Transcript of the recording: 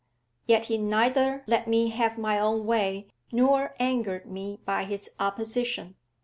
Yet he neither let me have my own way nor angered me by his opposition.